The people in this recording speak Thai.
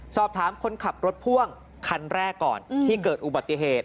สอบถามคนขับรถพ่วงคันแรกก่อนที่เกิดอุบัติเหตุ